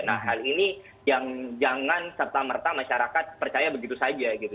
nah hal ini yang jangan serta merta masyarakat percaya begitu saja gitu